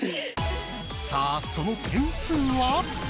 さあその点数は。